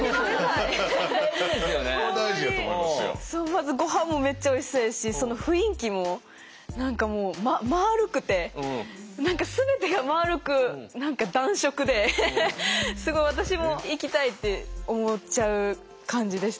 まずごはんもめっちゃおいしそうやしその雰囲気も何かもうまるくて何か全てが丸く何か暖色ですごい私も行きたいって思っちゃう感じでしたね。